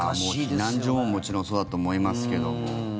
避難所ももちろんそうだと思いますけども。